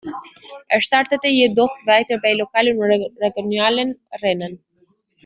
Er startete jedoch weiter bei lokalen und regionalen Rennen.